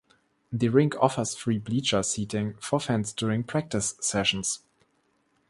The rink offers free bleacher seating for fans during practice sessions.